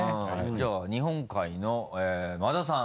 じゃあ日本海の馬田さん